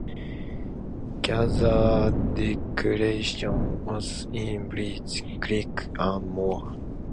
Greater destruction occurred in Bridge Creek and Moore.